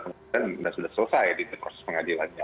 pemimpinan dan sudah selesai di proses pengadilannya